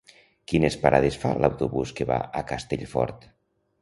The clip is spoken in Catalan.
Quines parades fa l'autobús que va a Castellfort?